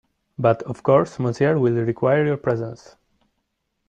But of course Monsieur will require your presence.